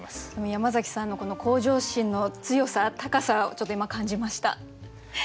山崎さんの向上心の強さ高さをちょっと今感じました。